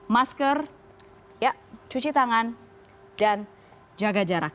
masker cuci tangan dan jaga jarak